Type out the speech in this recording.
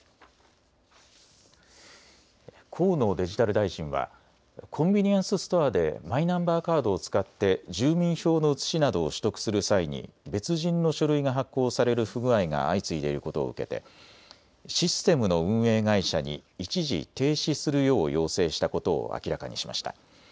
河野デジタル大臣はコンビニエンスストアでマイナンバーカードを使って住民票の写しなどを取得する際に別人の書類が発行される不具合が相次いでいることを受けてシステムの運営会社に一時停止するよう要請したことを明らかにしました。